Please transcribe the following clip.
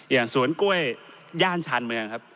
อย่างสวนกล้วยย่านชานเมืองครับ